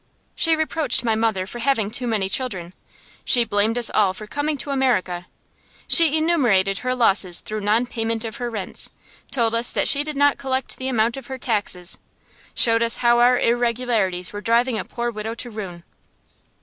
She reproached my mother for having too many children; she blamed us all for coming to America. She enumerated her losses through nonpayment of her rents; told us that she did not collect the amount of her taxes; showed us how our irregularities were driving a poor widow to ruin.